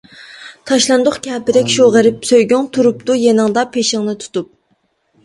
تاشلاندۇق كەپىدەك شۇ غېرىب سۆيگۈڭ، تۇرۇپتۇ يېنىڭدا پېشىڭنى تۇتۇپ.